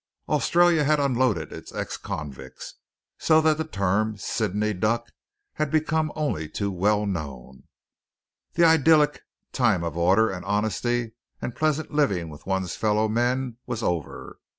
Australia had unloaded its ex convicts, so that the term "Sydney duck" had become only too well known. The idyllic time of order and honesty and pleasant living with one's fellow men was over.